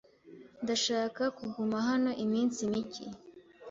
Ndashaka kuguma hano iminsi mike.